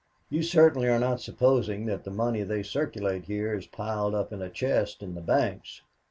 You certainly are not supposing that the money they circulate here is piled up in a chest in the banks.